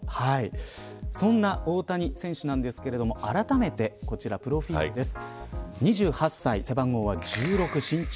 そんな大谷選手なんですがあらためてこちらプロフィルです。